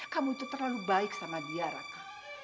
kamu itu terlalu baik sama dia raka